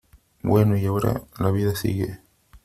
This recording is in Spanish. bueno , y ahora la vida sigue .